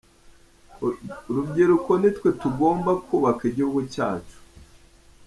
Urubyiruko ni twe tugomba kubaka igihugu cyacu.